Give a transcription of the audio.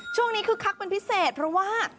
ช่วงนี้คือคักเป็นพิเศษเพราะว่า